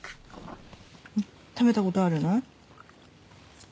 食べたことあるの？